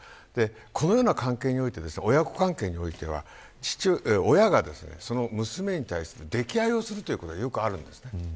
このような関係において親子関係においては親が娘に対して溺愛をするということがよくあるんです。